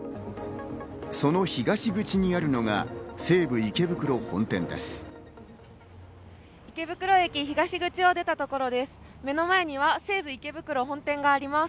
その東口にあるのが西武池袋本店です。